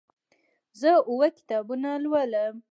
زه اووه کتابونه لولم.